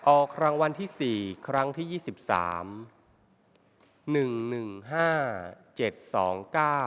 ออกรางวัลที่สี่ครั้งที่ยี่สิบสอง